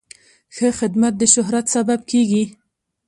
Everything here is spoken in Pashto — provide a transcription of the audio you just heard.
ښه خدمت د شهرت سبب کېږي.